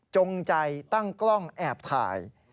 จงใจตั้งกล้องแอบถ่าย